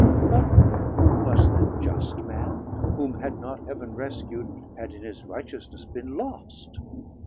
But who was that Just Man, whom had not Heav'n Rescu'd, had in his Righteousness bin lost?